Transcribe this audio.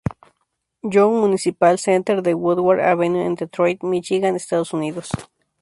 Young Municipal Center de Woodward Avenue en Detroit, Michigan, Estados Unidos.